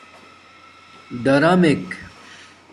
ڈآرماک